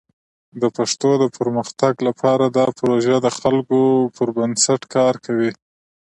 د پښتو د پرمختګ لپاره دا پروژه د خلکو پر بنسټ کار کوي.